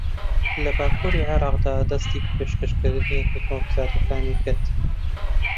لە باکووری عێراقدا دەستی بە پێشەکەشکردنی خزمەتگوزارییەکانی کرد